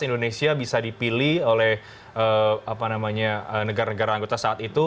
indonesia bisa dipilih oleh negara negara anggota saat itu